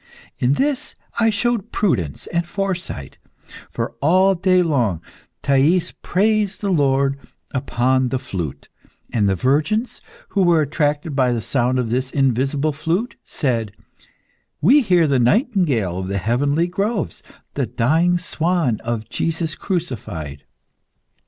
In this I showed prudence and foresight, for all day long Thais praised the Lord upon the flute, and the virgins, who were attracted by the sound of this invisible flute, said, 'We hear the nightingale of the heavenly groves, the dying swan of Jesus crucified.